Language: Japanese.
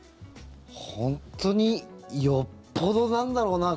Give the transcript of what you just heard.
本当に、よっぽどなんだろうな。